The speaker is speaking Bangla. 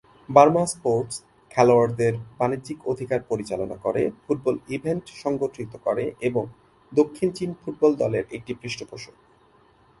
বার্মা স্পোর্টস খেলোয়াড়দের বাণিজ্যিক অধিকার পরিচালনা করে, ফুটবল ইভেন্ট সংগঠিত করে, এবং দক্ষিণ চীন ফুটবল দলের একটি পৃষ্ঠপোষক।